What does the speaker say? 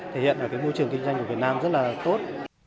thể hiện môi trường kinh doanh của việt nam rất là tốt